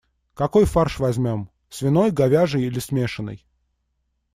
Какой фарш возьмём - свиной, говяжий или смешанный?